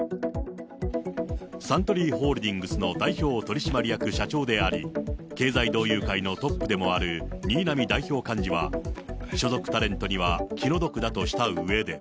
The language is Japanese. サントリーホールディングスの代表取締役社長であり、経済同友会のトップでもある新浪代表幹事は、所属タレントには気の毒だとしたうえで。